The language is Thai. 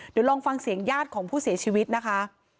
เดี๋ยวลองฟังเสียงญาติของผู้เสียชีวิตนะคะ